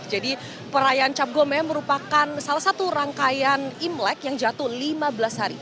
jadi perayaan cap gome merupakan salah satu rangkaian imlek yang jatuh lima belas hari